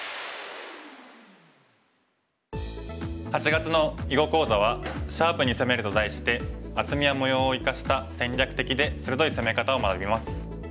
８月の囲碁講座は「シャープに攻める」と題して厚みや模様を生かした戦略的で鋭い攻め方を学びます。